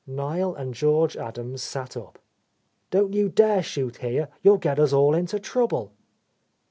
Niel and George Adams sat up. "Don't you dare shoot here, you'll get us all into trouble."